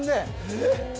えっ？